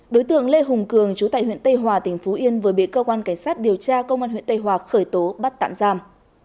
đối tượng lê hùng cường chú tại huyện tây hòa tỉnh phú yên vừa bị cơ quan cảnh sát điều tra công an huyện tây hòa khởi tố bắt tạm giam